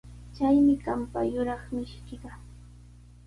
Chaymi qampa yuraq mishiykiqa.